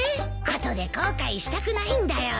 後で後悔したくないんだよ。